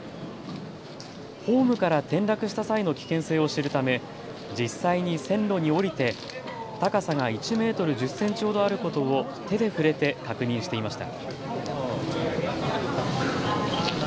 ホームから転落した際の危険性を知るため実際に線路に降りて高さが１メートル１０センチほどあることを手で触れて確認していました。